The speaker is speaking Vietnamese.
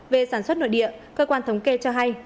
về sản xuất nội địa cơ quan thống kê cho hay